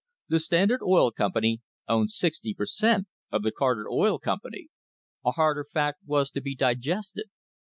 The Standard Oil Company owned sixty per cent, of the Carter Oil Company! A harder fact was to be digested.